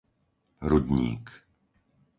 Rudník